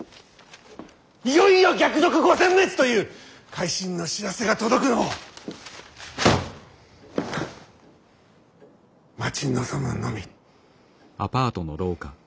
「いよいよ逆賊御殲滅！」という会心の報せが届くのを待ち望むのみ！